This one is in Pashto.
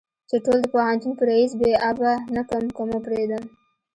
چې ټول د پوهنتون په ريس بې آبه نه کم که مو پرېدم.